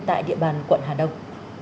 tại địa bàn quận hà đông